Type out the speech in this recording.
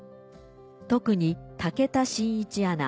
特に武田真一アナ